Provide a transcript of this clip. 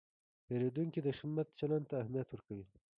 پیرودونکی د خدمت چلند ته اهمیت ورکوي.